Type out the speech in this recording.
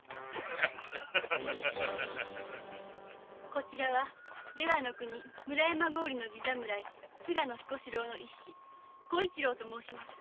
こちらは出羽国村山郡の菅野彦四郎の一子小一郎と申します。